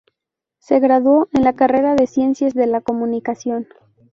Se graduó en la carrera de Ciencias de la Comunicación.